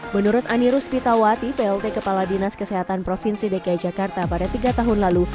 menurut anirus pitawati plt kepala dinas kesehatan provinsi dki jakarta pada tiga tahun lalu